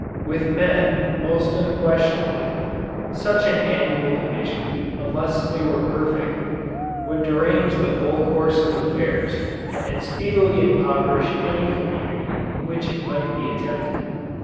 With men, most unquestionably, such an annual division, unless they were perfect, would derange the whole course of affairs, and speedily impoverish any community in which it might be attempted.